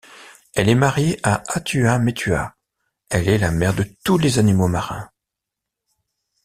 Elle est mariée à Atua-Metua, elle est la mère de tous les animaux marins.